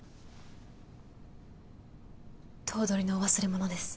頭取のお忘れ物です。